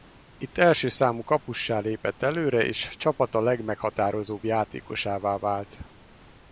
Itt első számú kapussá lépett előre és csapata legmeghatározóbb játékosává vált.